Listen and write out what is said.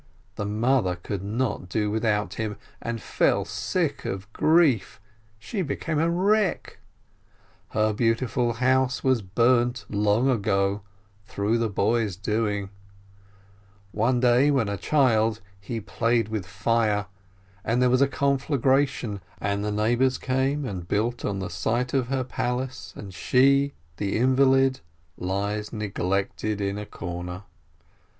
The mother could not do without him, and fell sick of grief ; she became a wreck. Her beautiful house was burnt long ago through the boy's doing: one day, when a child, he played with fire, and there was a conflagration, and the neighbors came and built on the site of her palace, and she, the invalid, lies neglected in a corner.